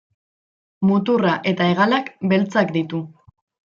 Muturra eta hegalak beltzak ditu.